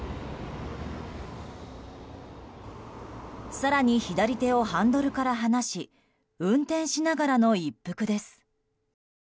更に左手をハンドルから離し運転しながらの一服です。